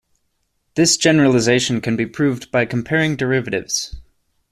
This generalization can be proved by comparing derivatives.